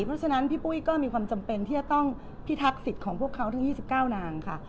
เพราะฉะนั้นพี่ปุ้ยก็มีความจำเป็นที่จะต้องพิทักษิตของพวกเขาทั้ง๒๙นางค่ะ